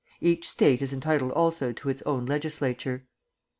Each State is entitled also to its own legislature.